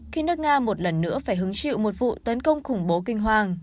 khi nước nga một lần nữa phải hứng chịu một vụ tấn công khủng bố kinh hoàng